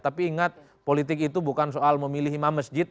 tapi ingat politik itu bukan soal memilih imam masjid